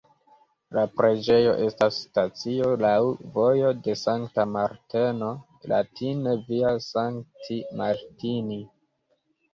La preĝejo estas stacio laŭ "Vojo de Sankta Marteno" (latine Via Sancti Martini).